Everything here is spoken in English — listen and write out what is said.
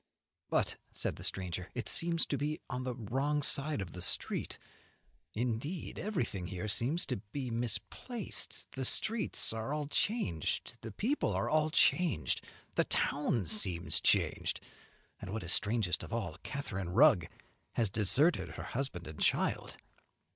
"But," said the stranger, "it seems to be on the wrong side of the street. Indeed, everything here seems to be misplaced. The streets are all changed, the people are all changed, the town seems changed, and, what is strangest of all, Catharine Rugg has deserted her husband and child."